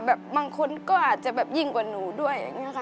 แบบบางคนก็อาจจะยิ่งกว่าหนูด้วย